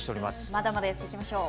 まだまだやっていきましょう。